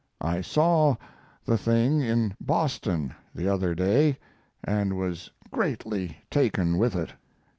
I saw the thing in Boston the other day and was greatly taken with it.